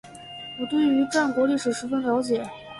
我对于战国历史十分了解